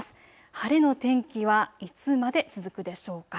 晴れの天気はいつまで続くでしょうか。